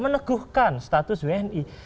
meneguhkan status wni